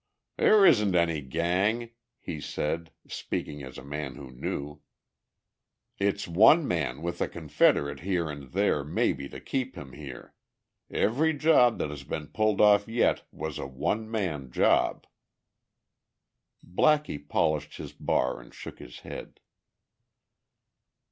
"There isn't any gang," he said, speaking as a man who knew. "It's one man with a confederate here and there maybe to keep him here. Every job that has been pulled off yet was a one man job." Blackie polished his bar and shook his head.